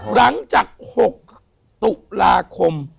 หลังจาก๖ตุลาคม